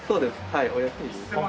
はいお安いです。